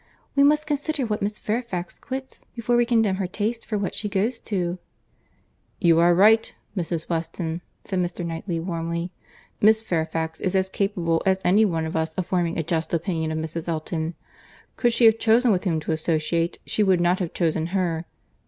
We must consider what Miss Fairfax quits, before we condemn her taste for what she goes to." "You are right, Mrs. Weston," said Mr. Knightley warmly, "Miss Fairfax is as capable as any of us of forming a just opinion of Mrs. Elton. Could she have chosen with whom to associate, she would not have chosen her.